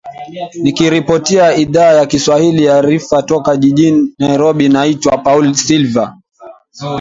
nikiripotia idhaa ya kiswahili ya rfi toka jijini nairobi naitwa paul silver